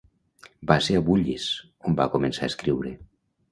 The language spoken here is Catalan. Va ser a Bullis on va començar a escriure.